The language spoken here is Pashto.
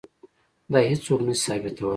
دا هیڅوک نه شي ثابتولی.